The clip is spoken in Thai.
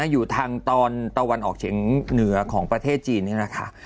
อยู่ทางตอนตัววันออกเฉงเหนือของประเทศจีนให้รักค่ะ